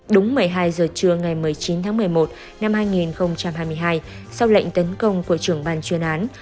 đúng một mươi hai giờ trưa ngày một mươi chín tháng một mươi một năm hai nghìn hai mươi hai sau lệnh tấn công của trưởng ban chuyên án